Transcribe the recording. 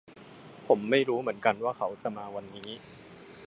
ผมไม่รู้เหมือนกันว่าเขาจะมาวันนี้